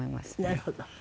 なるほど。